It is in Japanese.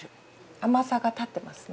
甘さが立ってますね。